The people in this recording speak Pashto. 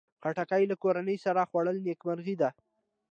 خټکی له کورنۍ سره خوړل نیکمرغي ده.